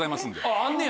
あんねや？